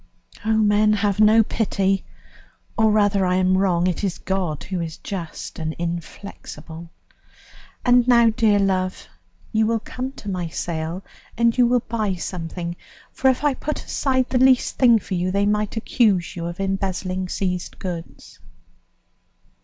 "Oh, men have no pity! or rather, I am wrong, it is God who is just and inflexible! "And now, dear love, you will come to my sale, and you will buy something, for if I put aside the least thing for you, they might accuse you of embezzling seized goods.